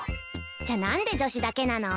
じゃあなんで女子だけなの？